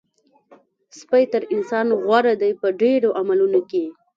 سپی تر انسان غوره دی په ډېرو عملونو کې.